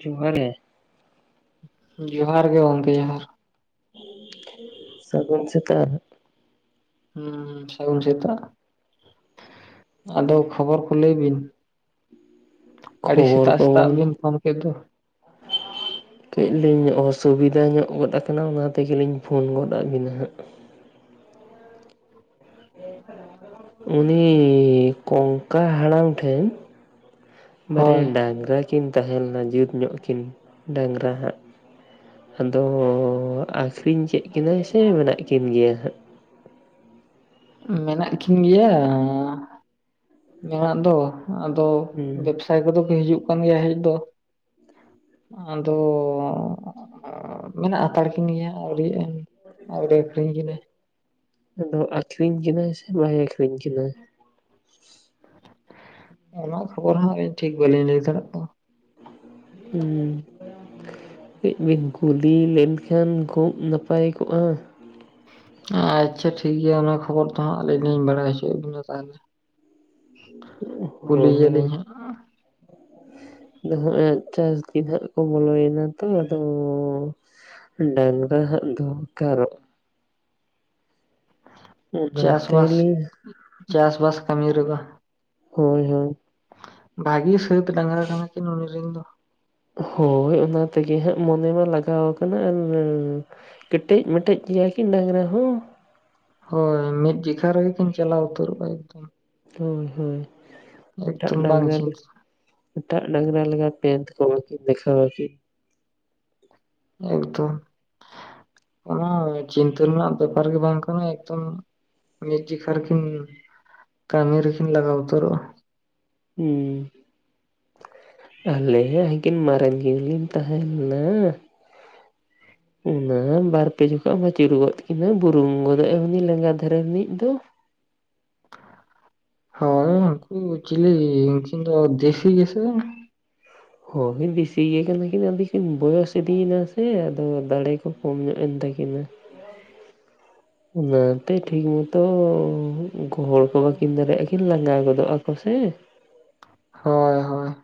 ᱡᱚᱦᱟᱨ ᱜᱮ ᱾ ᱡᱚᱦᱟᱨ ᱜᱮ ᱜᱚᱝᱠᱮ ᱡᱚᱦᱟᱨ ᱥᱟᱹᱜᱩᱱ ᱥᱮᱛᱟᱜ ᱾ ᱦᱩᱸ ᱥᱟᱹᱜᱩᱱ ᱥᱮᱛᱟᱜ ᱾ ᱟᱫᱚ ᱠᱷᱚᱵᱚᱨ ᱠᱚ ᱞᱟᱹᱭ ᱵᱤᱱ ᱟᱹᱰᱤ ᱠᱷᱚᱵᱚᱨ ᱥᱮᱛᱟᱜ ᱥᱮᱛᱟᱜ ᱠᱚᱵᱚᱱ ᱵᱤᱱ ᱯᱷᱳᱱ ᱠᱮᱫ ᱫᱚ ᱾ [unintelligible] ᱠᱟᱹᱡ ᱞᱤᱧ ᱚᱥᱩᱵᱤᱫᱟ ᱧᱚᱜ ᱜᱚᱫ ᱟᱠᱟᱱᱟ ᱚᱱᱟ ᱛᱮᱜᱮ ᱞᱤᱧ ᱯᱷᱳᱱ ᱜᱚᱫ ᱟᱸᱜ ᱵᱤᱱᱟ ᱦᱟᱸᱜ ᱾ ᱩᱱᱤ ᱠᱚᱝᱠᱟ ᱦᱟᱲᱟᱢ ᱴᱷᱮᱱ ᱵᱟᱨᱭᱟ ᱦᱳᱭ ᱰᱟᱝᱜᱽᱨᱟ ᱠᱤᱱ ᱛᱟᱦᱮᱸ ᱞᱮᱱᱟ ᱡᱩᱛ ᱧᱚᱜ ᱠᱤᱱ ᱰᱟᱝᱨᱟ ᱦᱟᱸᱜ ᱾ ᱟᱫᱚ ᱟᱹᱠᱷᱨᱤᱧ ᱠᱮᱫ ᱠᱤᱱᱟᱹᱭ ᱥᱮ ᱢᱮᱱᱟᱜ ᱠᱤᱱ ᱜᱮᱭᱟ ᱦᱟᱸᱜ? ᱢᱮᱱᱟᱜ ᱠᱤᱱ ᱜᱮᱭᱟ ᱢᱮᱱᱟᱜ ᱫᱚ, ᱟᱫᱚ ᱦᱩᱸ ᱵᱮᱵᱽᱥᱟᱭᱤ ᱠᱚᱫᱚ ᱠᱚ ᱦᱤᱡᱩᱜ ᱠᱟᱱ ᱜᱮᱭᱟ ᱦᱮᱡ ᱫᱚ, ᱟᱫᱚ ᱢᱮᱱᱟᱜ ᱦᱟᱛᱟᱲ ᱠᱤᱱ ᱜᱮᱭᱟ ᱟᱹᱣᱨᱤᱭᱟᱜ ᱟᱹᱧ ᱾ ᱟᱹᱣᱨᱤ ᱞᱮ ᱟᱹᱠᱷᱨᱤᱧ ᱠᱤᱱᱟᱹ ᱾ ᱟᱫᱚ ᱟᱹᱠᱷᱨᱤᱧ ᱠᱤᱱᱟᱭ ᱥᱮ ᱵᱟᱭ ᱟᱹᱠᱷᱨᱤᱧ ᱠᱤᱱᱟᱹ? ᱚᱱᱟ ᱠᱷᱚᱵᱚᱨ ᱦᱚᱸ ᱟᱹᱞᱤᱱ ᱴᱷᱤᱠ ᱵᱟᱹᱞᱤᱧ ᱞᱟᱹᱭ ᱫᱟᱲᱮᱭᱟᱜᱼᱟ ᱠᱟᱱᱟ ᱾ ᱦᱩᱸ ᱠᱟᱹᱡ ᱵᱤᱱ ᱠᱩᱞᱤ ᱞᱮᱱᱠᱷᱟᱱ ᱠᱷᱩᱵ ᱱᱟᱯᱟᱭ ᱠᱚᱜᱼᱟ, ᱟᱪᱪᱷᱟ ᱴᱷᱤᱠ ᱜᱮᱭᱟ ᱚᱱᱟ ᱠᱷᱚᱵᱚᱨ ᱫᱚ ᱦᱟᱸᱜ ᱟᱹᱞᱤᱧ ᱞᱤᱧ ᱵᱟᱲᱟᱭ ᱦᱚᱪᱚᱭᱮᱫ ᱵᱤᱱᱟ ᱛᱟᱦᱚᱞᱮ ᱾ ᱠᱩᱞᱤᱭᱟᱞᱤᱧ ᱦᱟᱸᱜ ᱦᱳᱭ [inaudible] ᱠᱚ ᱵᱚᱞᱚᱭᱮᱱᱟ ᱛᱚ ᱟᱫᱚ ᱰᱟᱝᱜᱨᱟ ᱦᱟᱸᱜ ᱫᱚᱨᱠᱟᱨᱚᱜ ᱚᱱᱟ ᱛᱮ ᱪᱟᱥᱵᱟᱥ ᱞᱤᱧ ᱪᱟᱥᱵᱟᱥ ᱠᱟᱹᱢᱤ ᱨᱮᱫᱚ ᱦᱳᱭ ᱦᱳᱭ, ᱵᱷᱟᱜᱤ ᱥᱟᱹᱛ ᱰᱟᱝᱜᱨᱟ ᱠᱟᱱᱟ ᱠᱤᱱ ᱩᱱᱤ ᱨᱮᱱ ᱫᱚ ᱾ ᱦᱳᱭ ᱚᱱᱟ ᱛᱮᱜᱮ ᱦᱟᱸᱜ ᱢᱚᱱᱮ ᱢᱟ ᱞᱟᱜᱟᱣ ᱟᱠᱟᱱᱟ [unintelligible] ᱠᱮᱴᱮᱡ ᱢᱮᱴᱮᱡ ᱜᱮᱭᱟ ᱠᱤᱱ ᱰᱟᱝᱜᱨᱟ ᱦᱚᱸ ᱦᱳᱭ ᱢᱤᱫ ᱡᱮᱠᱷᱟ ᱨᱮᱜᱮ ᱠᱤᱱ ᱪᱟᱞᱟᱣ ᱩᱛᱟᱹᱨᱚᱜᱼᱟ ᱮᱠᱫᱚᱢ ᱦᱳᱭ ᱦᱳᱭ ᱮᱴᱟᱜ ᱮᱠᱫᱚᱢ ᱵᱟᱝ ᱰᱟᱝᱜᱨᱟ ᱪᱤᱱᱛᱟᱹ ᱮᱴᱟᱜ ᱰᱟᱝᱨᱟ ᱞᱮᱠᱟ [unintelligible] ᱠᱚ ᱵᱟᱠᱤᱱ ᱫᱮᱠᱷᱟᱣ ᱟᱠᱤᱱ ᱮᱠᱫᱚᱢ ᱚᱱᱟ ᱪᱤᱱᱛᱟᱹ ᱨᱮᱱᱟᱜ ᱵᱮᱯᱟᱨ ᱜᱮ ᱵᱟᱝ ᱠᱟᱱᱟ ᱮᱠᱫᱚᱢ ᱾ ᱢᱤᱫ ᱡᱮᱠᱷᱟ ᱨᱮ ᱠᱤᱱ ᱠᱟᱹᱢᱤ ᱨᱮᱠᱤᱱ ᱞᱟᱜᱟᱣ ᱩᱛᱟᱹᱨᱚᱜ-ᱟ ᱾ ᱦᱩᱸᱢ ᱟᱞᱮ ᱦᱚᱸ ᱦᱟᱹᱠᱤᱱ ᱢᱟᱨᱟᱱ ᱠᱤᱱ ᱠᱤᱱ ᱛᱟᱦᱮᱸ ᱞᱮᱱᱟ ᱾ ᱚᱱᱟ ᱵᱟᱨ ᱯᱮ ᱡᱚᱠᱷᱚᱡ ᱮᱢ ᱟᱹᱪᱩᱨ ᱜᱚᱫ ᱠᱤᱱᱟᱹ ᱵᱩᱨᱩᱢ ᱜᱚᱫᱚᱜ ᱟᱭ ᱩᱱᱤ ᱞᱮᱸᱜᱟ ᱫᱷᱟᱨᱮ ᱨᱤᱱᱤᱡ ᱫᱚ ᱾ ᱦᱚᱭ ᱩᱱᱠᱩ ᱫᱚ ᱪᱤᱞᱤ ᱩᱱᱠᱤᱱ ᱫᱚ ᱫᱮᱥᱤ ᱜᱮᱥᱮ ᱦᱳᱭ ᱫᱮᱥᱤ ᱜᱮ ᱠᱟᱱᱟ ᱠᱤᱱᱟ ᱟᱹᱰᱤ ᱫᱚ ᱠᱤᱱ ᱵᱚᱭᱚᱥ ᱤᱫᱤᱭᱮᱱᱟ ᱥᱮ ᱟᱫᱚ ᱫᱟᱲᱮ ᱠᱚ ᱠᱚᱢ ᱧᱚᱜ ᱮᱱ ᱛᱟᱹᱠᱤᱱᱟ ᱾ [unintelligible] ᱚᱱᱟᱛᱮ ᱴᱷᱤᱠ ᱢᱚᱛᱚ ᱜᱚᱦᱚᱲ ᱠᱚ ᱵᱟᱹᱠᱤᱱ ᱫᱟᱲᱮᱭᱟᱜᱼᱟ ᱠᱤᱱ ᱞᱟᱸᱜᱟ ᱜᱚᱫᱚᱜ ᱟᱠᱚ ᱥᱮ᱾ ᱦᱳᱭ ᱦᱳᱭ᱾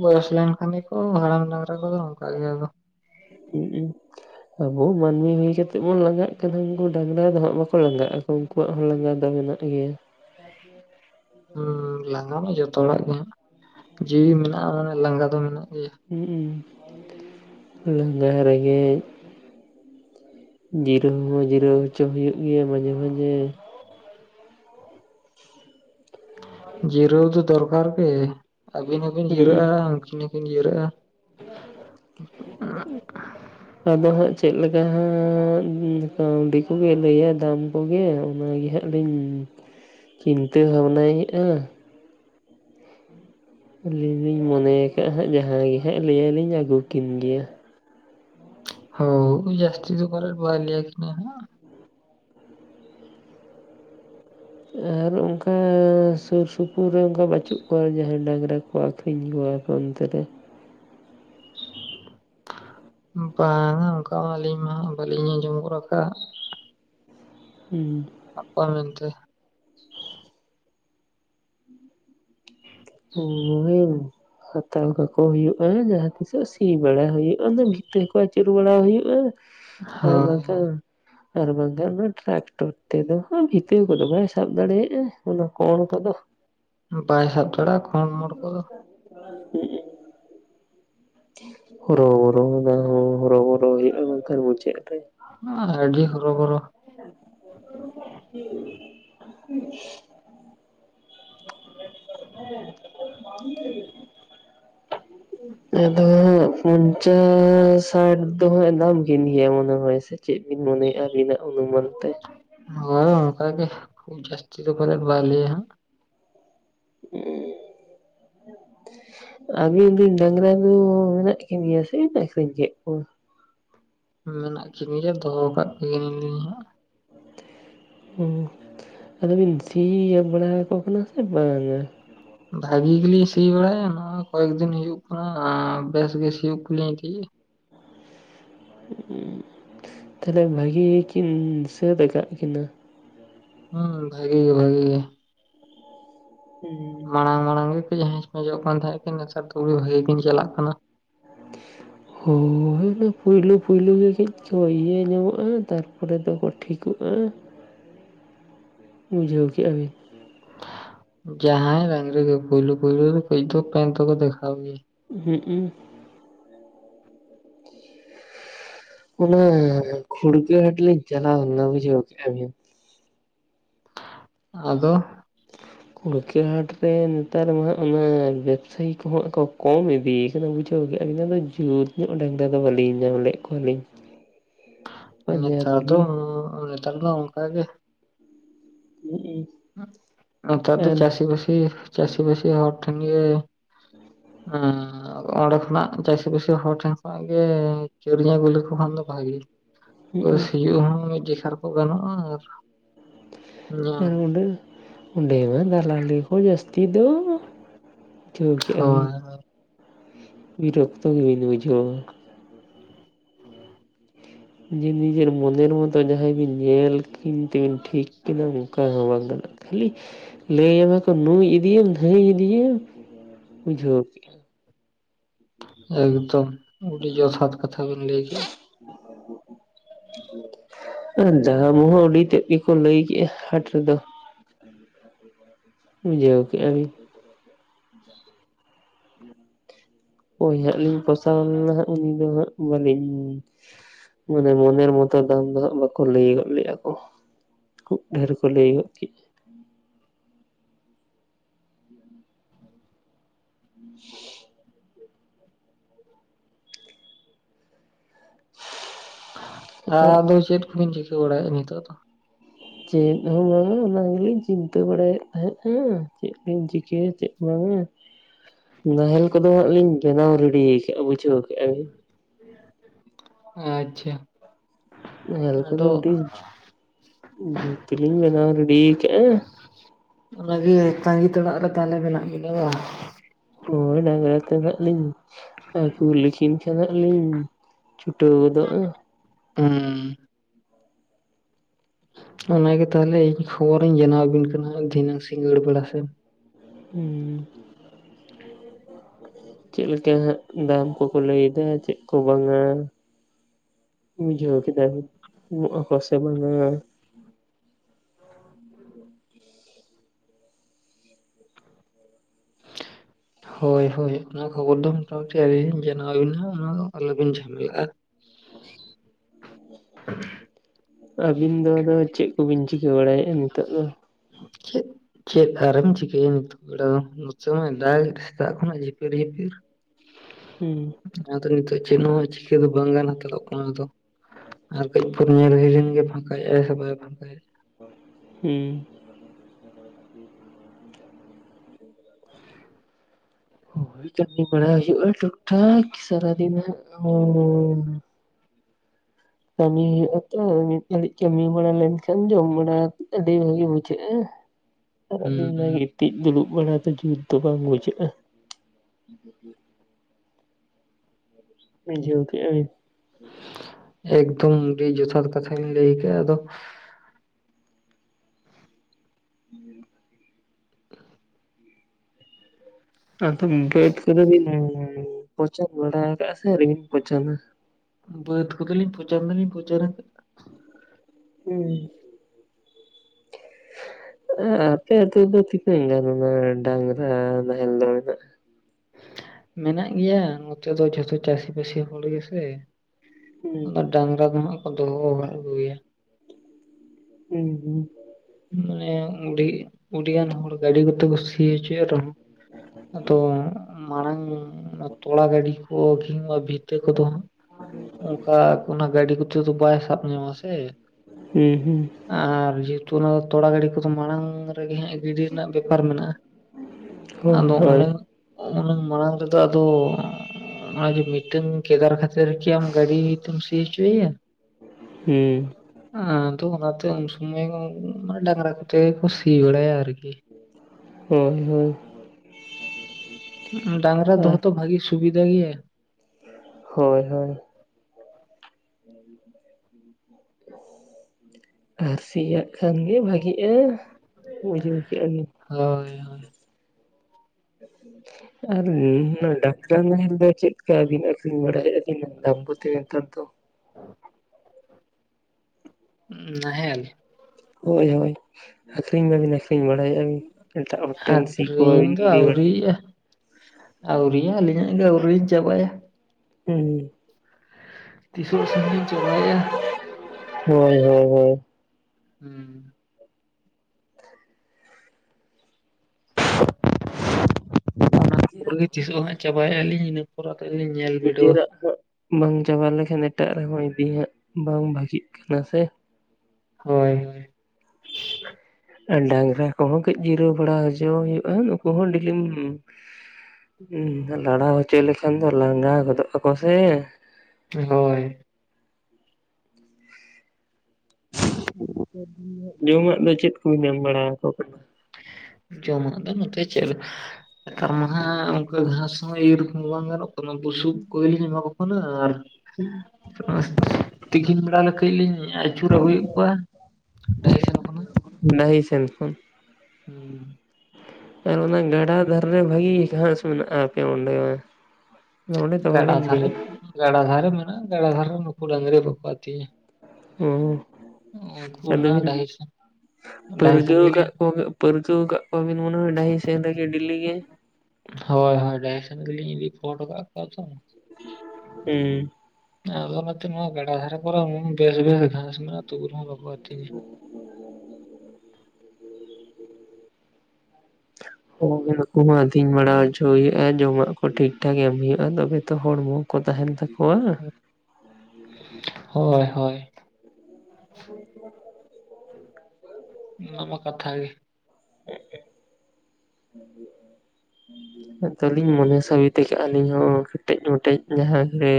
ᱵᱚᱭᱚᱥ ᱞᱮᱱ ᱠᱷᱟᱱ ᱜᱮ ᱠᱚ ᱦᱟᱲᱟᱢ ᱰᱟᱝᱜᱨᱟ ᱠᱚᱫᱚ ᱱᱚᱝᱠᱟ ᱜᱮᱭᱟ ᱠᱚ ᱾ ᱦᱩᱸᱜᱼᱩᱸ ᱟᱵᱚ ᱢᱟᱹᱱᱢᱤ ᱦᱩᱭ ᱠᱟᱛᱮᱜ ᱵᱚᱱ ᱞᱟᱝᱜᱟᱜ ᱠᱟᱱᱟ, ᱩᱱᱠᱩ ᱰᱟᱝᱨᱟ ᱫᱚᱦᱟᱸᱜ ᱢᱟᱠᱳ ᱞᱟᱝᱜᱟᱜ-ᱟ, ᱩᱱᱠᱩᱣᱟᱜ ᱦᱚᱸ ᱞᱟᱸᱜᱟ ᱫᱚ ᱢᱮᱱᱟᱜ ᱜᱮᱭᱟ᱾ ᱦᱩᱸ ᱞᱟᱸᱜᱟ ᱢᱟ ᱡᱚᱛᱚ ᱦᱚᱲᱟᱜ ᱜᱮ ᱾ ᱡᱤᱣᱤ ᱢᱮᱱᱟᱜᱼᱟ ᱢᱟᱱᱮ ᱞᱟᱸᱜᱟ ᱫᱚ ᱢᱮᱱᱟᱜ ᱜᱮᱭᱟ᱾ ᱦᱩᱸ ᱞᱟᱸᱜᱟ ᱨᱮᱜᱮᱡ ᱡᱤᱨᱟᱹᱣ ᱦᱚᱸ ᱡᱤᱨᱟᱹᱣ ᱦᱚᱪᱚ ᱦᱩᱭᱩᱜ ᱜᱮᱭᱟ ᱢᱟᱡᱷᱮ ᱢᱟᱡᱷᱮ᱾ ᱡᱤᱨᱟᱹᱣ ᱫᱚ ᱫᱚᱨᱠᱟᱨ ᱜᱮ ᱾ ᱟᱹᱵᱤᱱ ᱦᱚᱸᱵᱤᱱ ᱡᱤᱨᱟᱹᱜᱼᱟ ᱦᱩᱸ ᱩᱱᱠᱤᱱ ᱦᱚᱸᱠᱤᱱ ᱡᱤᱨᱟᱹᱜᱼᱟ᱾ [inaudible] ᱟᱫᱚ ᱦᱟᱸᱜ ᱪᱮᱫ ᱞᱮᱠᱟ ᱦᱟᱸᱜ ᱠᱟᱹᱣᱰᱤ ᱠᱚᱜᱮ ᱞᱟᱹᱭᱟ ᱫᱟᱢ ᱾ ᱠᱚᱜᱮ ᱚᱱᱟᱜ ᱜᱮ ᱦᱟᱸᱜ ᱞᱤᱧ ᱪᱤᱱᱛᱟᱹ ᱵᱷᱟᱵᱽᱱᱟᱭᱮᱜᱼᱟ᱾ ᱟᱹᱞᱤᱧ ᱞᱤᱧ ᱢᱚᱱᱮᱭ ᱠᱟᱜᱼᱟ ᱦᱟᱸᱜ ᱡᱟᱦᱟᱸ ᱜᱮ ᱦᱟᱸᱜ ᱮᱸ ᱞᱟᱹᱭᱟᱞᱤᱧ ᱟᱹᱜᱩ ᱠᱤᱱ ᱜᱮᱭᱟ᱾ ᱦᱳ ᱡᱟᱹᱥᱛᱤ ᱫᱚ ᱯᱟᱞᱮᱛ ᱵᱟᱭ ᱞᱟᱹᱭ ᱠᱤᱱᱟᱭ ᱦᱟᱸᱜ᱾ ᱟᱨ ᱚᱱᱠᱟ ᱥᱩᱨ ᱥᱩᱯᱩᱨ ᱨᱮ ᱚᱱᱠᱟ ᱵᱟᱹᱪᱩᱜ ᱠᱚᱣᱟ ᱡᱟᱦᱟᱸᱭ ᱰᱟᱝᱨᱟ ᱠᱚ᱾ ᱠᱟ ᱟᱠᱷᱨᱤᱧ ᱠᱚᱣᱟ ᱠᱚ ᱱᱚᱛᱮ ᱨᱮ᱾ ᱵᱟᱝ ᱚᱱᱠᱟ ᱢᱟ ᱟᱹᱞᱤᱧ ᱢᱟ ᱦᱟᱸᱜ ᱵᱟᱹᱞᱤᱧ ᱟᱸᱡᱚᱢ ᱜᱚᱫ ᱟᱠᱟᱜ᱾ ᱦᱮᱸ᱾ ᱟᱯᱟ ᱢᱮᱱᱛᱮ᱾ [unintelligible] ᱦᱟᱛᱟᱣ ᱠᱷᱟᱡ ᱠᱚ ᱦᱩᱭᱩᱜᱼᱟ ᱡᱟᱦᱟᱸ ᱛᱤᱥᱚᱜ ᱥᱤ ᱵᱟᱲᱟ ᱦᱩᱭᱩᱜᱼᱟ ᱟᱫᱚ ᱵᱷᱤᱛᱟᱹ ᱠᱚ ᱟᱹᱪᱩᱨ ᱵᱟᱲᱟ ᱦᱩᱭᱩᱜᱼᱟ᱾ ᱛᱚ ᱦᱟᱸᱜ ᱦᱳᱭ ᱵᱟᱝ ᱦᱳᱭ ᱠᱷᱟᱱ ᱟᱨ ᱵᱟᱝᱠᱷᱟᱱ ᱚᱱᱟ ᱴᱨᱟᱠᱴᱚᱨ ᱛᱮᱫᱚ ᱦᱟᱸᱜ ᱵᱷᱤᱛᱟᱹ ᱠᱚᱫᱚ ᱵᱟᱭ ᱥᱟᱵ ᱫᱟᱲᱮᱭᱟᱜᱼᱟ ᱚᱱᱟ ᱠᱚᱸᱬ ᱠᱚᱫᱚ᱾ ᱵᱟᱭ ᱥᱟᱵ ᱫᱟᱲᱮᱭᱟᱜ-ᱟ ᱠᱚᱸᱬ-ᱢᱚᱸᱬ ᱠᱚᱫᱚ᱾ ᱦᱩᱸᱜ-ᱩᱸ᱾ ᱦᱚᱨᱚᱵᱚᱨᱚ ᱵᱟᱝ ᱦᱚ-ᱦᱚᱨᱚᱵᱚᱨᱚ ᱦᱩᱭᱩᱜᱼᱟ ᱵᱟᱝᱠᱷᱟᱱ ᱢᱩᱪᱟᱹᱫ ᱨᱮ᱾ ᱦᱟᱸ ᱟᱹᱰᱤ ᱦᱚᱨᱚᱵᱚᱨᱚ᱾ [inaudible] [inaudible] ᱟᱫᱚ ᱦᱟᱸᱜ ᱯᱚᱸᱧᱪᱟᱥ ᱥᱟᱴ ᱫᱚ ᱦᱟᱸᱜ-ᱮ ᱫᱟᱢ ᱠᱤᱱ ᱜᱮᱭᱟ ᱢᱚᱱᱮ ᱦᱚᱭ ᱥᱮ? ᱪᱮᱫ ᱵᱤᱱ ᱢᱚᱱᱮᱭᱮᱫᱼᱟ ᱟᱹᱵᱤᱱᱟᱜ ᱩᱱᱩᱢᱟᱱ ᱛᱮ? ᱦᱳᱭ ᱚᱱᱠᱟ ᱜᱮ ᱠᱷᱩᱵ ᱡᱟᱥᱛᱤ ᱫᱚ ᱯᱟᱞᱮᱫ ᱵᱟᱭ ᱞᱟᱹᱭᱟ ᱦᱟᱸᱜ᱾ ᱦᱮᱸ᱾ ᱟᱵᱮᱱ ᱨᱮᱱ ᱰᱟᱺᱝᱨᱟ ᱫᱚ ᱢᱮᱱᱟᱜ ᱠᱤᱱ ᱜᱮᱭᱟ ᱥᱮ ᱵᱤᱱ ᱟᱠᱷᱨᱤᱧ ᱠᱮᱫ ᱠᱚᱣᱟ? ᱢᱮᱱᱟᱜ ᱠᱤᱱ ᱜᱮᱭᱟ ᱫᱚᱦᱚᱣ ᱠᱟᱜ ᱠᱤᱱ ᱜᱮᱭᱟ ᱞᱤᱧ ᱦᱟᱸᱜ᱾ ᱦᱩᱸ ᱟᱫᱚ ᱵᱤᱱ ᱥᱤᱭᱮᱭᱟᱢ ᱵᱟᱲᱟᱣᱟᱠᱚ ᱠᱟᱱᱟ ᱥᱮ ᱵᱟᱝᱟ? ᱵᱷᱟᱜᱤ ᱜᱮᱞᱤᱧ ᱥᱤ ᱵᱟᱲᱟᱭᱮ-ᱟ ᱱᱟᱜ-ᱚᱭᱠᱚᱭᱮᱠ ᱫᱤᱱ ᱦᱩᱭᱩᱜ ᱠᱟᱱᱟ, ᱟᱨ ᱵᱮᱥᱜᱮ ᱥᱤᱭᱳᱜ ᱠᱚᱞᱤᱧ ᱤᱫᱤ ᱛᱟᱦᱞᱮ ᱵᱷᱟᱜᱤ ᱜᱮᱠᱤᱱ ᱥᱟᱹᱛ ᱟᱠᱟᱫ ᱠᱤᱱᱟᱹ? ᱦᱩᱸ ᱵᱷᱟᱹᱜᱮ ᱜᱮ ᱵᱷᱟᱜᱮ ᱜᱮ᱾ ᱢᱟᱲᱟᱝ ᱢᱟᱲᱟᱝ ᱜᱮᱠᱚ ᱦᱮᱡ ᱯᱮᱡᱚᱜ ᱠᱟᱱ ᱛᱟᱦᱮᱸᱫ ᱠᱤᱱ ᱱᱮᱛᱟᱨ ᱫᱚ ᱟᱹᱰᱤ ᱵᱷᱟᱹᱜᱤ ᱠᱤᱱ ᱪᱟᱞᱟᱜ ᱠᱟᱱᱟ᱾ [inaudible] ᱦᱳᱭ ᱚᱱᱟ ᱯᱩᱭᱞᱩ ᱯᱩᱭᱞᱩ ᱜᱮ ᱠᱟᱹᱡ ᱠᱚ ᱤᱭᱟᱹ ᱧᱟᱢᱚᱜᱼᱟ ᱛᱟᱨᱯᱚᱨᱮ ᱫᱚᱠᱚ ᱴᱷᱤᱠᱚᱜᱼᱟ᱾ ᱵᱩᱡᱷᱟᱹᱣ ᱠᱮᱜᱼᱟ ᱵᱤᱱ? ᱡᱟᱦᱟᱸ ᱰᱟᱺᱝᱨᱤ ᱜᱮ ᱯᱩᱭᱞᱩ ᱯᱩᱭᱞᱩ ᱫᱚ ᱠᱟᱹᱡ ᱫᱚ ᱯᱮᱸᱫ ᱫᱚᱠᱚ ᱫᱮᱠᱷᱟᱣ ᱜᱮᱭᱟ᱾ ᱦᱩᱸᱜ-ᱩ᱾ ᱚᱱᱟ ᱠᱷᱩᱲᱜᱟᱹ ᱦᱟᱴᱞᱤᱧ ᱪᱟᱞᱟᱣ ᱞᱮᱱᱟ ᱵᱩᱡᱷᱟᱹᱣ ᱠᱮᱫᱟᱵᱤᱱ᱾ ᱟᱫᱚ᱾ ᱠᱩᱲᱠᱤᱭᱟᱹ ᱦᱟᱴ ᱨᱮ ᱱᱮᱛᱟᱨ ᱢᱟ ᱚᱱᱟ ᱵᱮᱵᱽᱥᱟᱭᱤ ᱠᱚ ᱦᱟᱸᱜ ᱠᱚ ᱠᱚᱢ ᱤᱫᱤᱭ ᱵᱩᱡᱷᱟᱹᱣ ᱠᱮᱜ-ᱟᱹᱞᱤᱧ ᱟᱫᱚ ᱡᱩᱛ ᱧᱚᱜ ᱰᱟᱝᱨᱟ ᱫᱚ ᱵᱟᱹᱞᱤᱧ ᱧᱟᱢ ᱞᱮᱫ ᱠᱚᱣᱟᱞᱤᱧ᱾ ᱯᱟᱸᱡᱟ ᱱᱮᱛᱟᱨ ᱫᱚ ᱫᱟᱞᱤᱧ ᱱᱮᱛᱟᱨ ᱫᱚ ᱚᱱᱠᱟ ᱜᱮ᱾ ᱦᱩᱸᱜ-ᱩᱸ᱾ ᱱᱮᱛᱟᱨ ᱫᱚ ᱪᱟᱥᱤᱰᱟᱤ ᱪᱟᱹᱥᱤ ᱵᱟᱥᱤ ᱦᱚᱲᱚᱨ ᱴᱷᱮᱱ ᱜᱮ᱾ ᱚ᱾ ᱟᱫᱚ ᱚᱸᱰᱮ ᱠᱷᱚᱱᱟᱜ ᱪᱟᱹᱥᱤᱵᱟᱹᱥᱤ ᱦᱚᱲ ᱴᱷᱮᱱ ᱠᱷᱚᱱᱟᱜ ᱜᱮ ᱠᱤᱨᱤᱧ ᱟᱜᱩ ᱞᱮᱠᱚᱠᱷᱟᱱ ᱫᱚ ᱵᱷᱟᱜᱤ᱾ ᱦᱩᱸᱜᱼᱩ ᱥᱤᱭᱳᱜ ᱦᱚᱸ ᱢᱤᱫ ᱡᱟᱠᱷᱟᱨ ᱠᱚ ᱜᱟᱱᱚᱜᱼᱟ ᱟᱨ ᱧᱟᱢ ᱟᱨ ᱚᱸᱰᱮ ᱚᱸᱰᱮ ᱢᱟ ᱫᱞᱟᱞ ᱠᱚ ᱡᱟᱹᱥᱛᱤ ᱫᱚ᱾ ᱵᱩᱡᱟᱹᱣ ᱠᱮᱜ-ᱟ ᱵᱤᱱ ᱦᱳᱭ ᱵᱤᱨᱚᱠᱛᱚ ᱜᱮ ᱵᱤᱱ ᱵᱩᱡᱟᱹᱣᱟ᱾ [inaudible] ᱡᱮ ᱱᱤᱡᱮᱨ ᱢᱚᱱᱮᱨ ᱢᱚᱛᱚ ᱡᱟᱦᱟᱸᱭ ᱵᱤᱱ ᱧᱮᱞ ᱦᱤᱱ ᱛᱮᱵᱤᱱ ᱴᱷᱤᱠ ᱠᱤᱱᱟ ᱚᱝᱠᱟ ᱦᱚᱸ ᱵᱟᱝ ᱜᱟᱱᱚᱜᱼᱟ ᱠᱷᱟᱹᱞᱤ ᱞᱟᱹᱭᱟᱢᱟ ᱠᱚ ᱱᱩᱭ ᱤᱫᱤᱭᱮᱢ ᱫᱷᱟᱹᱭ ᱤᱫᱤᱭᱮᱢ ᱵᱩᱡᱷᱟᱹᱣ ᱠᱮᱜᱼᱟ ᱮᱠᱫᱚᱢ ᱩᱰᱤ ᱡᱚᱛᱷᱟᱛ ᱠᱟᱛᱷᱟ ᱵᱤᱱ ᱞᱟᱹᱭ ᱠᱮᱜᱼᱟ᱾ [inaudible] ᱫᱟᱢ ᱦᱚᱸ ᱟᱹᱰᱤ ᱛᱮᱫ ᱜᱮᱠᱚ ᱞᱟᱹᱭ ᱠᱮᱜᱼᱟ ᱦᱟᱴ ᱨᱮᱫᱚ᱾ ᱵᱩᱡᱷᱟᱣ ᱠᱮᱜ-ᱟ ᱵᱤᱱ᱾ ᱦᱳᱭ ᱦᱟᱸᱜ ᱞᱤᱧ [inaudible] ᱦᱟᱸᱜ ᱩᱱ ᱫᱚ ᱦᱟᱸᱜ ᱵᱟᱹᱞᱤᱧ ᱢᱟᱱᱮ ᱢᱚᱱᱮᱨ ᱢᱚᱛᱚ ᱫᱟᱢ ᱫᱚ ᱦᱟᱸᱜ ᱵᱟᱠᱚ ᱞᱟᱹᱭ ᱜᱚᱫ ᱞᱮᱼᱟ ᱠᱚ᱾ ᱠᱷᱩᱵ ᱰᱷᱮᱨ ᱠᱚ ᱞᱟᱹᱭ ᱜᱚᱫ ᱠᱮᱜ᱾ [inaudible] ᱠᱮᱜᱼᱟ ᱟᱫᱚ ᱪᱮᱫ ᱠᱚᱵᱤᱱ ᱪᱤᱠᱟᱹ ᱵᱟᱲᱟᱭᱮᱜ-ᱟ ᱱᱤᱛᱚᱜ ᱫᱚ? ᱪᱮᱫ ᱦᱚᱸ ᱵᱟᱝᱟ ᱚᱱᱟ ᱜᱮᱞᱤᱧ ᱪᱤᱱᱛᱟᱹ ᱵᱟᱲᱟᱭᱮᱫ ᱛᱟᱦᱮᱸᱫ ᱟᱸ ᱪᱮᱫᱞᱤᱧ ᱪᱤᱠᱟᱹᱭᱟ ᱪᱮᱫ ᱵᱟᱝᱟ ᱱᱟᱦᱮᱞ ᱠᱚᱫᱚ ᱦᱟᱸᱜ ᱞᱤᱧ ᱵᱮᱱᱟᱣ ᱨᱮᱰᱤ ᱠᱟᱜᱼᱟ ᱵᱩᱡᱷᱟᱹᱣ ᱠᱮᱜᱼᱟ ᱵᱤᱱ᱾ ᱟᱪᱪᱷᱟ᱾ ᱱᱟᱦᱮᱞ ᱠᱚᱫᱚ ᱟᱫᱚ ᱩᱰᱤ ᱡᱩᱛᱞᱤᱧ ᱵᱮᱱᱟᱣ ᱨᱮᱰᱤ ᱠᱟᱜ-ᱟ᱾ ᱚᱱᱟᱜᱮ ᱛᱟᱸᱜᱤ ᱛᱟᱲᱟᱜ ᱨᱮ ᱛᱟᱦᱚᱞᱮ ᱢᱮᱱᱟᱜ ᱵᱤᱱᱟ ᱵᱟᱝ? ᱦᱟᱭ ᱰᱟᱝᱨᱟ ᱛᱮ ᱱᱟᱦᱟᱜ ᱞᱤᱝ ᱟᱹᱜᱩ ᱞᱮᱠᱤᱱ ᱠᱷᱟᱱ ᱦᱟᱸᱜ ᱞᱤᱧ ᱪᱷᱩᱴᱟᱹᱣ ᱜᱚᱫᱚᱜᱼᱟ᱾ [inaudible] ᱚᱱᱟᱜᱮ ᱛᱟᱦᱚᱞᱮ ᱤᱧ ᱠᱷᱚᱵᱚᱨᱤᱧ ᱡᱟᱱᱟᱣ ᱟᱵᱤᱱ ᱠᱟᱱᱟ ᱦᱟᱸᱜ ᱫᱷᱤᱱᱟᱹᱝ ᱥᱤᱸᱜᱟᱹᱲ ᱵᱮᱲᱟ ᱥᱮᱫ᱾ ᱦᱩᱸ᱾ ᱪᱮᱜᱞᱮᱠᱟ ᱦᱟᱸᱜ ᱫᱟᱢ ᱠᱚᱠᱚ ᱞᱟᱹᱭᱮᱫᱟ ᱪᱮᱜ ᱠᱚ ᱵᱟᱝᱟ᱾ ᱵᱩᱡᱷᱟᱹᱣ ᱠᱮᱫᱟ ᱵᱤᱱ ᱮᱢᱚᱜ ᱚᱠᱚ ᱥᱮ ᱵᱟᱝᱟ ᱦᱳᱭ ᱦᱳᱭ ᱚᱱᱟ ᱠᱷᱚᱵᱚᱨ ᱫᱚ ᱢᱚᱴᱟᱢᱩᱴᱤ ᱟᱹᱞᱤᱧ ᱞᱤᱧ ᱡᱟᱱᱟᱣ ᱟᱵᱤᱱᱟ ᱚᱱᱟ ᱫᱚ ᱟᱞᱚᱵᱤᱱ ᱡᱷᱟᱢᱮᱞᱟᱜᱼᱟ᱾ [inaudible] [inaudible] ᱟᱹᱵᱤᱱ ᱫᱚ ᱟᱫᱚ ᱪᱮᱜ ᱠᱚᱵᱤᱱ ᱪᱤᱠᱟᱹ ᱵᱟᱲᱟᱭᱮᱜᱼᱟ ᱱᱤᱛᱳᱜ ᱫᱚ? ᱪᱮᱛ? ᱪᱮᱫ ᱟᱨᱮᱢ ᱪᱤᱠᱟᱹᱭᱟ ᱱᱤᱛᱳᱜ ᱵᱮᱲᱟ ᱫᱚ ᱱᱚᱛᱮ ᱢᱟᱭ ᱫᱟᱜᱮᱫ ᱥᱮᱛᱟᱜ ᱠᱷᱚᱱᱟᱜ ᱡᱷᱤᱯᱤᱨ ᱡᱷᱤᱯᱤᱨ᱾ ᱦᱩᱸ᱾ [inaudible] ᱱᱤᱛᱳᱜ ᱪᱮᱫ ᱦᱚᱸ ᱪᱤᱠᱟᱹ ᱫᱚ ᱵᱟᱝ ᱜᱟᱱ ᱦᱟᱛᱟᱲᱚᱜ ᱠᱟᱱᱟ ᱟᱫᱚ ᱟᱨ ᱠᱟᱹᱡ ᱯᱩᱨ ᱧᱮᱞ ᱦᱩᱭ ᱞᱮᱱ ᱜᱮ ᱯᱷᱟᱸᱠᱟᱭᱟᱭ ᱥᱮ ᱵᱟᱭ ᱯᱷᱟᱸᱠᱟᱭᱟᱭ᱾ ᱦᱩᱸ᱾ ᱦᱳᱭ ᱠᱟᱹᱢᱤ ᱵᱟᱲᱟᱭ ᱦᱩᱭᱩᱜᱼᱟ ᱴᱩᱠ ᱴᱟᱠ ᱥᱟᱨᱟ ᱫᱤᱱ ᱦᱟᱸᱜ ᱦᱩᱸ᱾ ᱠᱟᱹᱢᱤ ᱦᱩᱭᱩᱜ ᱟᱛᱚ ᱢᱤᱫ ᱜᱷᱟᱹᱲᱤᱡ ᱠᱟᱹᱢᱤ ᱵᱟᱲᱟ ᱞᱮᱱᱠᱷᱟᱱ ᱡᱚᱢ ᱵᱟᱲᱟ [inaudible] ᱟᱹᱰᱤ ᱵᱷᱟᱜᱤ ᱵᱩᱡᱷᱟᱹᱜᱼᱟ᱾ ᱥᱟᱨᱟ ᱦᱩᱸ ᱫᱤᱱ ᱦᱩᱸ ᱜᱤᱛᱤᱡ ᱫᱩᱲᱩᱵ ᱵᱟᱲᱟ ᱫᱚ ᱡᱩᱛ ᱫᱚ ᱵᱟᱝ ᱵᱩᱡᱷᱟᱹᱜᱼᱟ᱾ [inaudible] ᱟᱸᱡᱚᱢ ᱠᱮᱜ-ᱟ ᱵᱤᱱ? [inaudible] ᱮᱠᱫᱚᱢ ᱟᱹᱰᱤ ᱡᱚᱛᱷᱟᱛ ᱠᱟᱛᱷᱟ ᱵᱤᱱ ᱞᱟᱹᱭ ᱠᱮᱜ-ᱟ ᱟᱫᱚ [inaudible] ᱟᱫᱚ ᱠᱷᱮᱛ ᱠᱚᱫᱚ ᱵᱤᱱ ᱯᱚᱪᱟᱱ ᱵᱟᱲᱟ ᱠᱟᱜᱼᱟ ᱥᱮ ᱟᱹᱣᱨᱤᱵᱤᱱ ᱯᱚᱪᱟᱱᱟ? ᱵᱟᱹᱫᱽ ᱠᱚᱫ ᱞᱤᱧ ᱯᱚᱪᱟᱱ ᱫᱚ ᱞᱤᱧ ᱯᱚᱪᱟᱱ ᱠᱟᱜ ᱦᱩᱸ᱾ ᱟᱯᱮ ᱟᱛᱩ ᱨᱮᱫᱚ ᱛᱤᱱᱟᱹ ᱜᱟᱱ ᱚᱱᱟ ᱰᱟᱝᱨᱟ ᱱᱟᱦᱮᱞ ᱫᱚ ᱢᱮᱱᱟᱜᱼᱟ? ᱢᱮᱱᱟᱜ ᱜᱮᱭᱟ ᱱᱚᱛᱮ ᱫᱚ ᱡᱷᱚᱛᱚ ᱪᱟᱹᱥᱤᱵᱟᱹᱥᱤ ᱦᱚᱲ ᱜᱮᱥᱮ᱾ [inaudible] ᱦᱩᱸ ᱟᱫᱚ ᱰᱟᱝᱨᱟ ᱫᱚ ᱦᱟᱸᱜ ᱠᱚ ᱫᱚᱦᱚ ᱟᱠᱟᱫ ᱠᱚᱜᱮᱭᱟ ᱾ ᱦᱩᱸ ᱦᱩᱸ ᱾ ᱢᱟᱱᱮ ᱤᱰᱤ ᱩᱰᱤᱭᱟᱱ ᱦᱚᱲ ᱜᱟᱹᱰᱤ ᱠᱚᱛᱮ ᱠᱚ ᱥᱤ ᱦᱚᱪᱚᱭᱮᱜ ᱨᱮᱦᱚ ᱛᱚ ᱢᱟᱲᱟᱝ ᱛᱚᱲᱟ ᱜᱟᱹᱰᱤ ᱠᱚ ᱠᱤᱢᱵᱟ ᱵᱷᱤ ᱛᱟᱹ ᱠᱚ ᱫᱚ [inaudible] ᱚᱱᱠᱟ ᱚᱱᱟ ᱜᱟᱹᱰᱤ ᱠᱚᱛᱮ ᱫᱚ ᱵᱟᱭ ᱥᱟᱵ ᱧᱟᱢ-ᱟ ᱥᱮ ᱾ ᱦᱩᱸ ᱦᱩᱸ ᱾ ᱟᱨ ᱡᱮᱦᱩᱛᱩ ᱚᱱᱟ ᱛᱚᱲᱟ ᱜᱟᱹᱰᱤ ᱠᱚ ᱛᱚ ᱢᱟᱲᱟᱝ ᱨᱮᱜᱮ ᱦᱟᱸᱜ ᱜᱤᱤᱰᱤ ᱨᱮᱱᱟᱜ ᱵᱮᱯᱟᱨ ᱢᱮᱱᱟᱜ-ᱟ [inaudible] ᱦᱳᱭ ᱟᱫᱚ ᱦᱳᱭ ᱚᱱᱟ ᱚᱱᱟ ᱢᱟᱲᱟᱝ ᱨᱮᱫᱚ ᱟᱫᱚ ᱱᱚᱜᱚᱭ ᱡᱮ ᱢᱤᱫ ᱴᱮᱝ ᱠᱮᱫᱟᱨ ᱠᱷᱟᱹᱛᱤᱨ ᱠᱤ ᱟᱢ ᱜᱟᱹᱰᱤ ᱛᱮᱢ ᱥᱤ ᱦᱚᱪᱚ ᱮᱭᱟ᱾ ᱦᱮᱸ ᱾ ᱟᱫᱚ ᱚᱱᱟᱛᱮ ᱩᱱ ᱥᱩᱢᱚᱭ ᱢᱟᱱᱮ ᱰᱟᱝᱨᱟ ᱠᱚᱛᱮ ᱠᱚ ᱥᱤ ᱵᱟᱲᱟᱭᱟ ᱟᱨᱠᱤ ᱾ ᱦᱳᱭ ᱦᱳᱭ ᱾ ᱰᱟᱝᱨᱟ ᱫᱚᱦᱚ ᱟᱨ ᱛᱚ ᱵᱷᱟᱜᱤ ᱥᱩᱵᱤᱫᱷᱟ ᱜᱮᱭᱟ᱾ ᱦᱳᱭ ᱦᱳᱭ ᱾ [inaudible] ᱟᱨ ᱥᱤᱭᱟᱜ ᱠᱷᱟᱱ ᱜᱮ ᱵᱷᱟᱜᱤᱜ ᱭᱟ ᱵᱩᱡᱷᱟᱣ ᱠᱮᱜ-ᱟ ᱵᱤᱱ ᱾ ᱦᱳᱭ ᱾ [inaudible] ᱟᱨ ᱰᱟᱝᱨᱟ ᱱᱟᱦᱮᱞ ᱫᱚ ᱪᱮᱫ ᱞᱮᱠᱟ ᱵᱤᱱ ᱟᱹᱠᱷᱨᱤᱧ ᱵᱟᱲᱟᱭᱮᱫ-ᱟ ᱛᱤᱱᱟᱹᱜ ᱫᱟᱢ ᱠᱚ ᱛᱮ ᱱᱮᱛᱟᱨ ᱫᱚ ᱾ [inaudible] ᱱᱟᱦᱮᱞ? ᱦᱳᱭ ᱦᱳᱭ ᱟᱹᱠᱷᱨᱤᱧ ᱵᱟᱵᱤᱱ ᱟᱹᱠᱷᱨᱤᱧ ᱵᱟᱲᱟᱭᱟ᱾ ᱮᱴᱟᱜ ᱦᱚᱲ ᱴᱷᱮᱱ ᱥᱤ ᱠᱚ ᱵᱟᱵᱮᱱ ᱟᱹᱠᱷᱨᱤᱧ ᱫᱚ ᱤᱫᱤᱵᱟᱲᱟᱭᱟ? ᱟᱹᱣᱨᱤᱭᱟᱜᱼᱟ ᱟᱹᱣᱨᱤᱭᱟ ᱟᱹᱞᱤᱧᱟᱜ ᱜᱮ ᱟᱹᱣᱨᱤ ᱞᱤᱧ ᱪᱟᱵᱟᱭᱟ᱾ ᱦᱮᱸ ᱾ [inaudible] ᱛᱤᱥᱚᱜ [unintelligible] ᱪᱟᱵᱟᱟᱭᱟ᱾ ᱦᱳᱭ ᱦᱳᱭ ᱦᱳᱭ ᱾ ᱦᱩᱸ ᱾ [inaudible] ᱛᱚ ᱚᱱᱟ ᱠᱚᱨᱮ ᱜᱮ ᱛᱤᱥᱚᱜ ᱦᱟᱸᱜ ᱪᱟᱵᱟᱭᱮᱫ-ᱟ ᱞᱤᱧ ᱤᱱᱟᱹ [unintelligible] ᱱᱤᱡᱮᱨᱟᱜ ᱠᱚ ᱵᱟᱝ ᱪᱟᱵᱟ ᱞᱮᱠᱷᱟᱱ ᱮᱴᱟᱜ ᱨᱮᱦᱚᱸ ᱤᱫᱤ ᱦᱟᱜ ᱵᱟᱝ ᱵᱷᱟᱹᱜᱤᱜ ᱠᱟᱱᱟ ᱥᱮ ᱾ ᱦᱳᱭ ᱾ ᱰᱟᱝᱨᱟ ᱠᱚᱦᱚᱸ ᱠᱟᱹᱡ ᱡᱤᱨᱟᱹᱣ ᱵᱟᱲᱟ ᱦᱚᱪᱚ ᱦᱩᱭᱩᱜ-ᱟ ᱾ ᱱᱩᱠᱩ ᱦᱚᱸ ᱰᱮᱞᱤᱢ ᱦᱮᱸ ᱞᱟᱲᱟᱣ ᱦᱚᱪᱚ ᱞᱮᱠᱷᱟᱱ ᱫᱚ ᱞᱟᱸᱜᱟ ᱜᱚᱫᱚᱜ ᱟᱠᱚ ᱥᱮ ᱾ ᱦᱳᱭ ᱾ [inaudible] ᱡᱚᱢᱟᱜ ᱫᱚ ᱪᱮᱫ ᱠᱚ ᱧᱟᱢ ᱵᱟᱲᱟ ᱟᱠᱚᱣᱟ ᱯᱮ? ᱡᱚᱢᱟᱜ ᱫᱚ ᱱᱚᱛᱮ ᱪᱮᱫ ᱞᱮᱠᱟ ᱱᱮᱛᱟᱨ ᱢᱟ ᱦᱟᱸᱜ ᱚᱱᱠᱟ ᱜᱷᱟᱸᱥ ᱦᱚᱸ ᱤᱨ ᱦᱚᱸ ᱵᱟᱝ ᱜᱟᱱᱚᱜ ᱠᱟᱱᱟ ᱵᱩᱥᱩᱵ ᱠᱚᱜᱮ ᱞᱤᱧ ᱮᱢᱟ ᱠᱚ ᱠᱟᱱᱟ ᱟᱨ ᱛᱤᱠᱤᱱ ᱵᱮᱲᱟ ᱞᱮ ᱠᱟᱹᱡ ᱞᱤᱧ ᱟᱪᱩᱨ ᱟᱹᱜᱩᱭᱮᱫ ᱠᱚᱣᱟ᱾ ᱰᱟᱦᱤ ᱥᱮᱱ ᱠᱷᱚᱱᱟᱜ᱾ ᱰᱟᱦᱤ ᱥᱮᱱ ᱠᱷᱚᱱ᱾ ᱦᱩᱸ᱾ ᱟᱨ ᱚᱱᱟ ᱜᱟᱰᱟ ᱫᱷᱟᱨᱮ ᱨᱮ ᱵᱷᱟᱜᱤ ᱜᱷᱟᱥ ᱢᱮᱱᱟᱜᱼᱟ ᱟᱯᱮ ᱚᱸᱰᱮ᱾ ᱟᱫᱚ ᱚᱸᱰᱮ ᱛᱚ ᱜᱟᱰᱟ ᱵᱟᱵᱤᱱ ᱤᱫᱤ ᱫᱷᱟᱨᱮ ᱜᱟᱰᱟ ᱫᱷᱟᱨᱮ ᱢᱮᱱᱟᱜᱼᱟ ᱜᱟᱰᱟ ᱫᱷᱟᱨᱮ ᱨᱮ ᱱᱩᱠᱩ ᱰᱟᱝᱨᱤ ᱵᱟᱠᱚ ᱟᱛᱤᱧᱟ᱾ ᱳ ᱟᱫᱚ ᱚᱱᱟ ᱵᱤᱱ ᱰᱟᱹᱦᱤ ᱥᱮᱱ ᱰᱟᱹᱦᱤ ᱥᱮᱱ ᱯᱟᱹᱨᱜᱟᱹᱣ ᱠᱟᱜ ᱜᱮᱞᱤᱧ ᱠᱚᱣᱟ ᱵᱤ ᱯᱟᱹᱨᱠᱟᱹᱣ ᱠᱟᱜ ᱠᱚᱣᱟᱵᱤᱱ ᱢᱚᱱᱮ ᱦᱚᱭ ᱰᱟᱦᱤ ᱥᱮᱱ ᱨᱮᱜᱮ ᱰᱮᱞᱤ ᱜᱮ᱾ ᱦᱳᱭ ᱦᱳᱭ ᱰᱟᱦᱤ ᱥᱮᱱ ᱜᱮᱞᱤᱧ ᱤᱫᱤ ᱯᱷᱚᱸᱴ ᱠᱟᱜ ᱠᱚᱣᱟ ᱛᱚ᱾ ᱦᱩᱸ᱾ ᱟᱫᱚ ᱚᱱᱟᱛᱮ ᱱᱚᱣᱟ ᱜᱟᱰᱟ ᱫᱷᱟᱨᱮ ᱠᱚᱨᱮ ᱵᱮᱥ ᱜᱮ ᱜᱷᱟᱥ ᱢᱮᱱᱟᱜᱼᱟ ᱛᱩᱵᱩ ᱨᱮᱦᱚᱸ ᱵᱟᱠᱚ ᱟᱹᱛᱤᱧᱟ᱾ [inaudible] ᱚᱱᱟ ᱠᱩᱦᱚᱸ ᱟᱛᱤᱧ ᱵᱟᱲᱟ ᱦᱚᱪᱚ ᱦᱩᱭᱩᱜ-ᱟ ᱡᱚᱢᱟᱜ ᱠᱚ ᱴᱷᱤᱠ ᱴᱷᱟᱠ ᱮᱢ ᱦᱩᱭᱩᱜᱼᱟ ᱛᱚᱵᱮ ᱛᱚ ᱦᱚᱲᱢᱚ ᱠᱚ ᱛᱟᱦᱮᱱ ᱛᱟᱠᱚᱣᱟ ᱦᱚᱭ ᱦᱚᱭ᱾ [inaudible] ᱚᱱᱟ ᱢᱟ ᱠᱟᱛᱷᱟ ᱜᱮ᱾ ᱡᱩᱜ ᱩ [inaudible] ᱟᱫᱚᱞᱤᱧ ᱢᱚᱱᱮ ᱥᱟᱹᱵᱤᱛ ᱠᱟᱜᱼᱟ ᱟᱞᱤᱧ ᱦᱚᱸ ᱠᱮᱴᱮᱡ ᱢᱮᱴᱮᱡ ᱡᱟᱦᱟᱸ ᱜᱮ